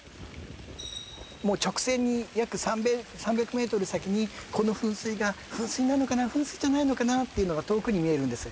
もう直線に約３００ｍ先にこの噴水が噴水なのかな噴水じゃないのかなっていうのが遠くに見えるんです